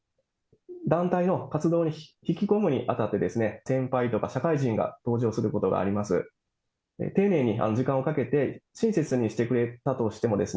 団体の活動に引き込むにあたって、先輩とか社会人が登場することがあります。